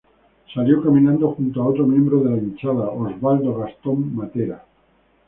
Salió caminando junto a otro miembro de la hinchada, Osvaldo Gastón Matera.